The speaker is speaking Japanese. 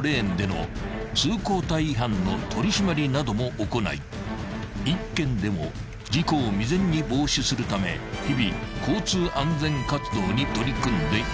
［なども行い１件でも事故を未然に防止するため日々交通安全活動に取り組んでいる］